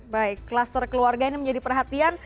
baik kluster keluarga ini menjadi perhatian